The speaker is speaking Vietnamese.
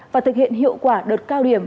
và thực hiện hiệu quả đợt cao điểm